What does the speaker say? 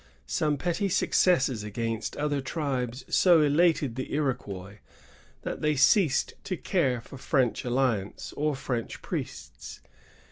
Some petty successes against other tribes so elated the Iroquois that they ceased to care for French alliance or French priests.